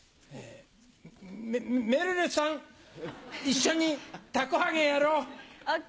めるるさん一緒に凧揚げやろう。ＯＫ！